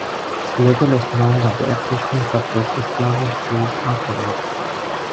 Little is known of the existence of these Islamic Jews afterwards.